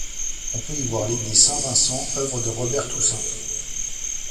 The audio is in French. On peut y voir l'église Saint-Vincent, œuvre de Robert Toussaint.